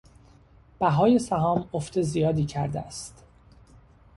بهای سهام افت زیادی کرده است.